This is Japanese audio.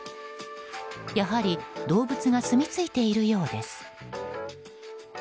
やはり動物が住み着いているようです。